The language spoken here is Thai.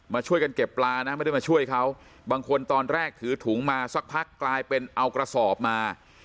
ช่วยกันเก็บปลานะไม่ได้มาช่วยเขาบางคนตอนแรกถือถุงมาสักพักกลายเป็นเอากระสอบมา